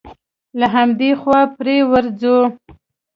له همدې خوا پرې ورځو.